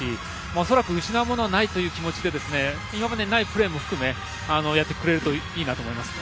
恐らく失うものはない気持ちで今までないプレーも含めやってくれるといいと思います。